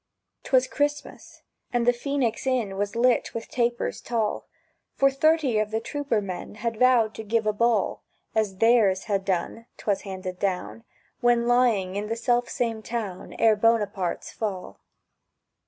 ... 'Twas Christmas, and the Phœnix Inn Was lit with tapers tall, For thirty of the trooper men Had vowed to give a ball As "Theirs" had done ('twas handed down) When lying in the selfsame town Ere Buonaparté's fall.